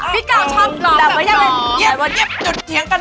พี่กาลชอบหลอกอย่างนอน